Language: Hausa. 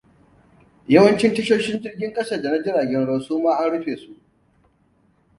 Yawancin tashoshin Jirgin Kasa Da Na Jiragen ruwa su Ma Rufe Su.